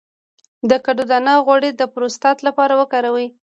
د کدو دانه غوړي د پروستات لپاره وکاروئ